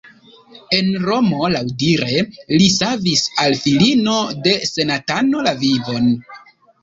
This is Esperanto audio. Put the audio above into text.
En Romo laŭdire li savis al filino de senatano la vivon.